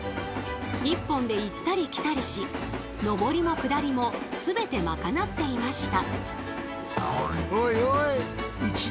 １本で行ったり来たりし上りも下りも全て賄っていました。